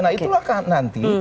nah itulah kan nanti